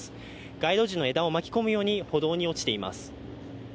街路樹の枝を巻き込むように歩道に落ちています。